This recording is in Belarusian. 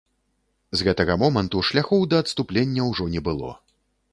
З гэтага моманту шляхоў да адступлення ўжо не было.